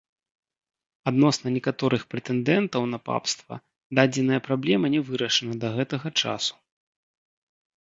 Адносна некаторых прэтэндэнтаў на папства дадзеная праблема не вырашана да гэтага часу.